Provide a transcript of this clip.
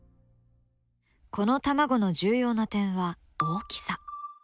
この卵の重要な点は大きさ。